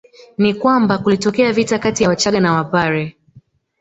Ni kwamba kulitokea vita kati ya Wachaga na Wapare